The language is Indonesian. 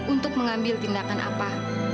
untuk mengambil tindakan apa